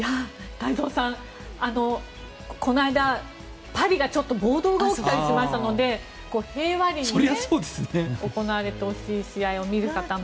太蔵さん、この間パリがちょっと暴動が起きたりしましたので平和裏にね、行われてほしい試合を見る方も。